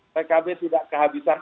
pkb tidak kehabisan